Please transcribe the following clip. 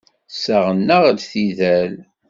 Ssaɣen-aɣ-d tidal.